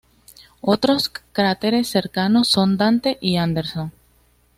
Otros cráteres cercanos son Dante y Anderson.